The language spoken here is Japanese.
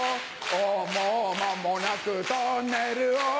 思う間も無く、トンネルを